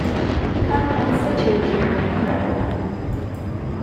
“Come and sit you here!” he cried.